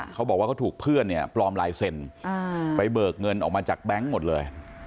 เขาบอกว่าทุกเพื่อนพลอมลายเซ็นต์เปิกเงินออกมาจากแบ๊งค์หมดเลย